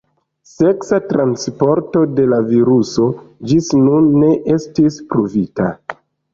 Seksa transporto de la viruso ĝis nun ne estis pruvita.